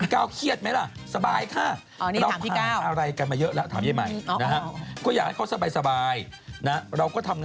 ก้าวเครียดไหมล่ะสบายค่ะ